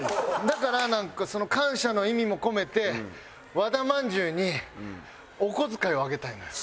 だからなんかその感謝の意味も込めて和田まんじゅうにお小遣いをあげたいのよ。